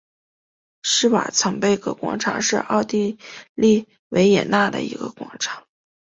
施瓦岑贝格广场是奥地利维也纳的一个广场。